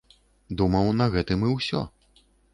Думаў, на гэтым і ўсё!